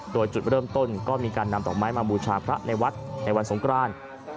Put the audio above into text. โดยจุดเริ่มต้นก็มีการนำดอกไม้มาบูชาพระในวัดในวันสงคราน